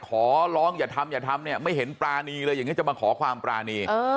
ขอลองอย่าทำไม่เห็นปรานีเลยอย่างนี้จะมาขอความปรานี